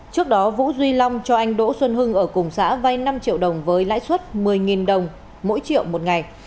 trước đó vũ duy long cho anh đỗ xuân hưng ở cùng xã vay năm triệu đồng với lãi suất một mươi đồng mỗi triệu một ngày